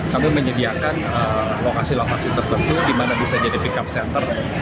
kami menyediakan lokasi lokasi tertentu di mana bisa jadi pickup center